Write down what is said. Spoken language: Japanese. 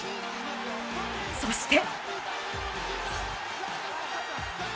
そして。